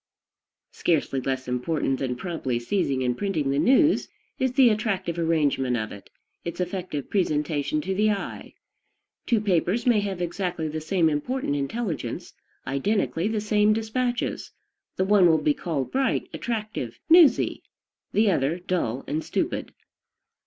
Scarcely less important than promptly seizing and printing the news is the attractive arrangement of it, its effective presentation to the eye. Two papers may have exactly the same important intelligence, identically the same despatches: the one will be called bright, attractive, "newsy"; the other, dull and stupid.